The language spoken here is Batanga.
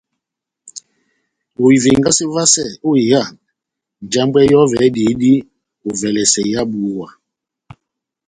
Ohivengase vasɛ ó iha njambwɛ yɔvɛ ediyidi ovɛlɛsɛ iha búwa.